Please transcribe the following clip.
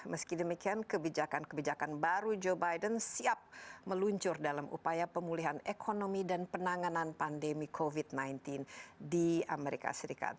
meski demikian kebijakan kebijakan baru joe biden siap meluncur dalam upaya pemulihan ekonomi dan penanganan pandemi covid sembilan belas di amerika serikat